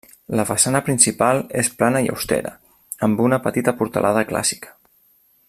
La façana principal és plana i austera, amb una petita portalada clàssica.